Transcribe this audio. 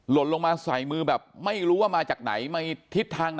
หล่นลงมาใส่มือแบบไม่รู้ว่ามาจากไหน